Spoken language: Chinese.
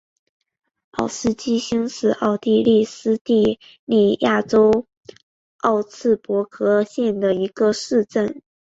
莫斯基兴是奥地利施蒂利亚州沃茨伯格县的一个市镇。